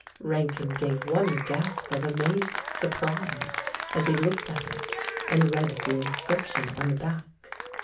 Rankin gave one gasp of amazed surprise as he looked at it and read the inscription on the back.